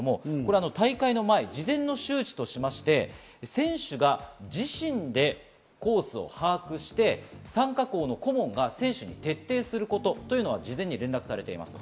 大会の前、事前の周知としまして選手が自身でコースを把握して、参加校の顧問が選手に徹底することというのは事前に連絡されています。